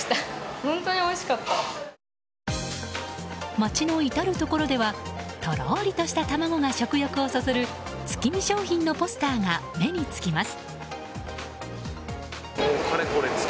街の至るところではとろりとした卵が食欲をそそる月見商品のポスターが目につきます。